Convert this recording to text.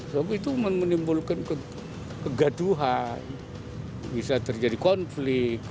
sebab itu menimbulkan kegaduhan bisa terjadi konflik